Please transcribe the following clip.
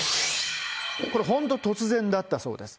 これ本当、突然だったそうです。